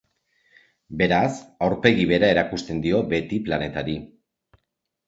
Beraz, aurpegi bera erakusten dio beti planetari.